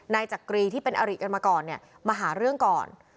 จักรีที่เป็นอริกันมาก่อนเนี่ยมาหาเรื่องก่อน